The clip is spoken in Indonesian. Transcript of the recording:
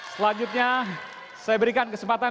selanjutnya saya berikan kesempatan